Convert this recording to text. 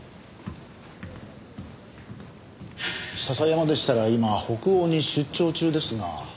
笹山でしたら今北欧に出張中ですが。